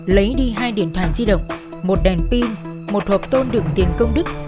lấy đi hai điện thoại di động một đèn pin một hộp tôn đựng tiền công đức